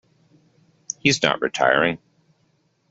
He's not retiring.